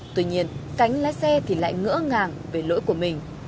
tuy nhiên cánh lái xe thì lại ngỡ ngàng về lỗi của mình